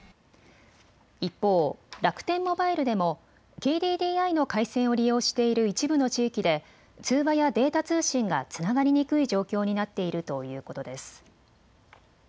一方、楽天モバイルでもＫＤＤＩの回線を利用している一部の地域で通話やデータ通信がつながりにくい状況になっているということです。